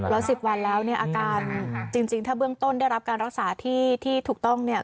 แล้ว๑๐วันแล้วเนี่ยอาการจริงถ้าเบื้องต้นได้รับการรักษาที่ถูกต้องเนี่ย